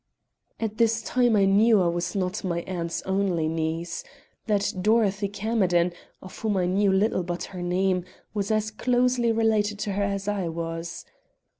"All this time I knew that I was not my aunt's only niece; that Dorothy Camerden, of whom I knew little but her name, was as closely related to her as I was.